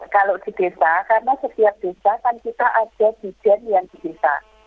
kalau di desa karena setiap desa kan kita ada biden yang di desa